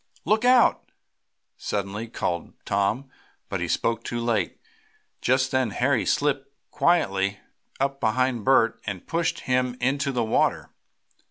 "Look out!" suddenly called Tom, but he spoke too late. Just then Harry slipped quietly up behind Bert and pushed him into the water.